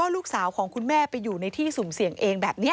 ลูกสาวของคุณแม่ไปอยู่ในที่สุ่มเสี่ยงเองแบบนี้